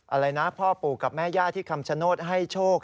อะไรนะพ่อปู่กับแม่ย่าที่คำชโนธให้โชค